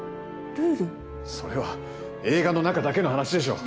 それは映画の中だけの話でしょ！